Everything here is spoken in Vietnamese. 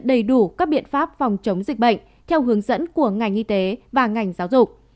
đầy đủ các biện pháp phòng chống dịch bệnh theo hướng dẫn của ngành y tế và ngành giáo dục